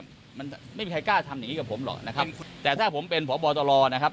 มันไม่มีใครกล้าทำอย่างงีกับผมหรอกนะครับแต่ถ้าผมเป็นพบตรนะครับ